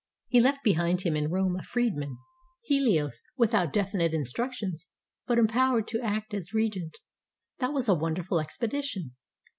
He left behind him in Rome a freedman, Helios, without definite instructions, but empowered to act as regent. That was a wonderful expedition.